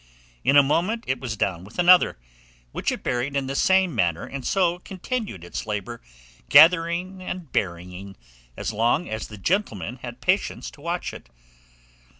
In a moment it was down with another, which it buried in the same manner; and so continued its labour, gathering and burying, as long as the gentleman had patience to watch it.